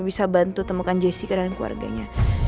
bisa bantu temukan jessica dan keluarganya